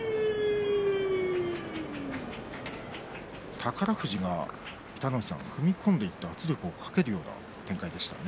宝富士が踏み込んでいって圧力をかけるような展開でしたね。